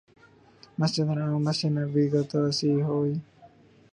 مسجد حرام اور مسجد نبوی کی توسیع ہوئی